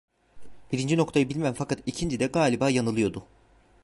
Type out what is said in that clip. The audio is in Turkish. Birinci noktayı bilmem fakat ikincide galiba yanılıyordu.